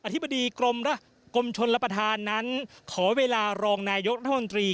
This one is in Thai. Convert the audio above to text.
ธิบดีกรมชนรับประทานนั้นขอเวลารองนายกรัฐมนตรี